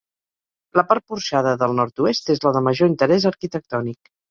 La part porxada del nord-oest és la de major interès arquitectònic.